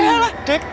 eh alah dik